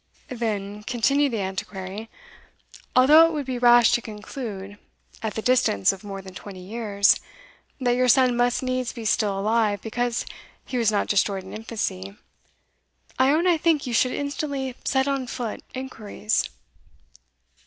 "Then," continued the Antiquary, "although it would be rash to conclude, at the distance of more than twenty years, that your son must needs be still alive because he was not destroyed in infancy, I own I think you should instantly set on foot inquiries."